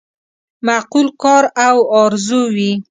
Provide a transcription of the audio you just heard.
معقول کار او آرزو وي.